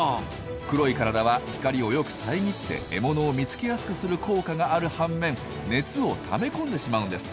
黒い体は光をよくさえぎって獲物を見つけやすくする効果がある半面熱をためこんでしまうんです。